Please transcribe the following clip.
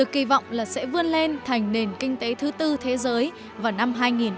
kỳ vọng là sẽ vươn lên thành nền kinh tế thứ tư thế giới vào năm hai nghìn hai mươi